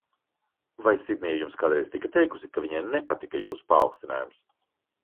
Vai Sidnija jums kādreiz tika teikusi, ka viņai nepatika jūsu paaugstinājums?